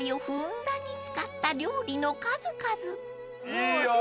いいよ。